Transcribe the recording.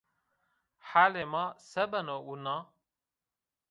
Halê ma se beno wina?